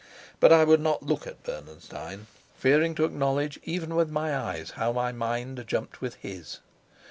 But I would not look at Bernenstein, fearing to acknowledge even with my eyes how my mind jumped with his.